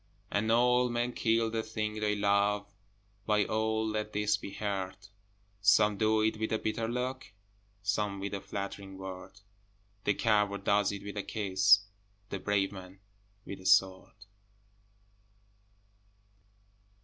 And all men kill the thing they love, By all let this be heard, Some do it with a bitter look, Some with a flattering word, The coward does it with a kiss, The brave man with a sword!